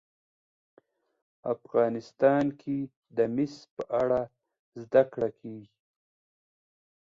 افغانستان کې د مس په اړه زده کړه کېږي.